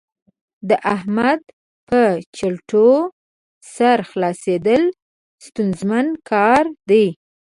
د احمد په چلوټو سر خلاصېدل ستونزمن کار دی.